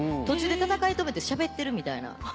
途中で戦い止めてしゃべってるみたいな。